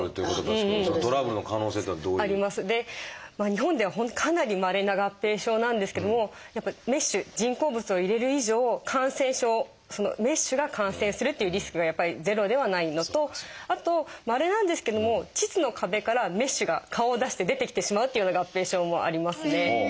日本では本当かなりまれな合併症なんですけどもメッシュ人工物を入れる以上感染症メッシュが感染するというリスクがゼロではないのとあとまれなんですけども腟の壁からメッシュが顔を出して出てきてしまうというような合併症もありますね。